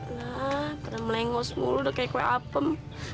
lah pada melengos mulu udah kayak kue apem